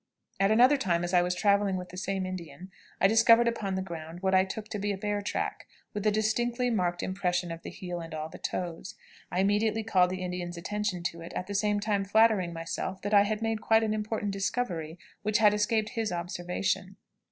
At another time, as I was traveling with the same Indian, I discovered upon the ground what I took to be a bear track, with a distinctly marked impression of the heel and all the toes. I immediately called the Indian's attention to it, at the same time flattering myself that I had made quite an important discovery, which had escaped his observation.